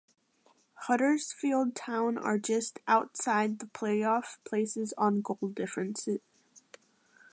Huddersfield Town are just outside the playoff places on goal difference.